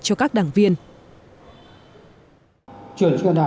cho các đảng viên